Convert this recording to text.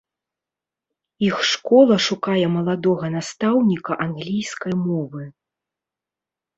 Іх школа шукае маладога настаўніка англійскай мовы.